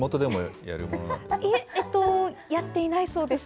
いえ、えっと、やっていないそうです。